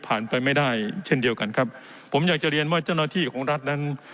ไปไม่ได้เช่นเดียวกันครับผมอยากจะเรียนว่าเจ้าหน้าที่ของรัฐนั้น